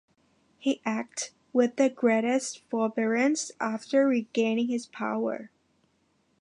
He acted with the greatest forbearance after regaining his power.